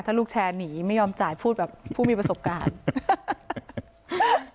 ถ้าลูกแชร์หนีไม่ยอมจ่ายพูดแบบผู้มีประสบการณ์